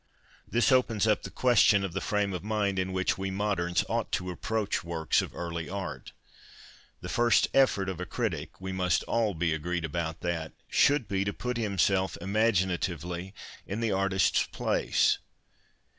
This opens up the question of the frame of mind in which we moderns ought to approach works of " early " art. The first effort of a critic — we must all be agreed about that should be to put himself, imaginatively, in the artist's place.